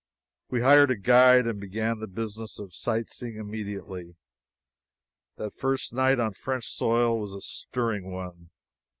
We hired a guide and began the business of sightseeing immediately. That first night on French soil was a stirring one.